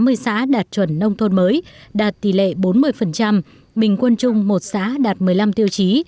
có bốn mươi xã đạt chuẩn nông thôn mới đạt tỷ lệ bốn mươi bình quân chung một xã đạt một mươi năm tiêu chí